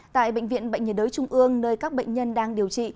tại bệnh viện bệnh nhiệt đới trung ương nơi các bệnh nhân đang điều trị